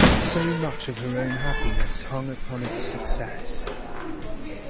So much of her own happiness, hung upon its success.